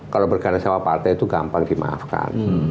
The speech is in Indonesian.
kalau bergabung sama partai itu gampang dimaafkan